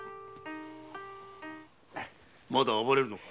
まだ暴れるか？